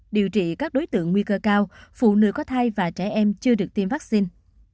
điều trị các đối tượng nguy cơ cao phụ nữ có thai và trẻ em chưa được tiêm vaccine